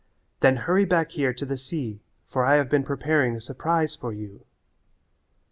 Then hurry back here to the sea for I have been preparing a surprise for you."